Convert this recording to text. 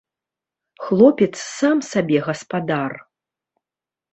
Хлопец сам сабе гаспадар.